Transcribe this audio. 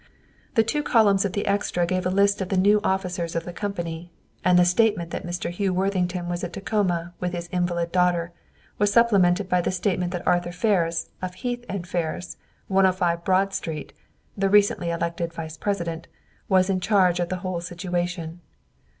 The two columns of the extra gave a list of the new officers of the company, and the statement that Mr. Hugh Worthington was at Tacoma with his invalid daughter, was supplemented by the statement that Arthur Ferris of Heath & Ferris, 105 Broad Street (the recently elected vice president), was in charge of the whole situation.